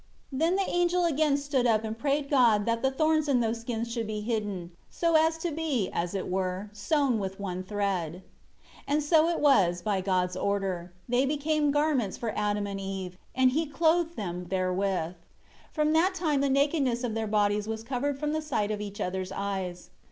7 Then the angel again stood up and prayed God that the thorns in those skins should be hidden, so as to be, as it were, sewn with one thread. 8 And so it was, by God's order; they became garments for Adam and Eve, and He clothed them therewith. 9 From that time the nakedness of their bodies was covered from the sight of each other's eyes.